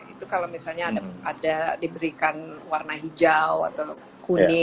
itu kalau misalnya ada diberikan warna hijau atau kuning